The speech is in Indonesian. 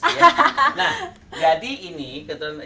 nah jadi ini keturunan